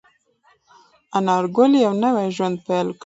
انارګل یو نوی ژوند پیل کړ.